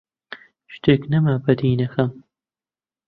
شتێک نەما بەدیی نەکەم: